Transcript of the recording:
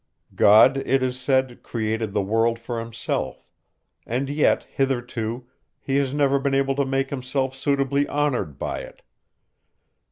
God, it is said, created the world for himself; and yet, hitherto, he has never been able to make himself suitably honoured by it.